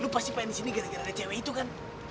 lo pasti pengen disini gara gara ada cewek itu kan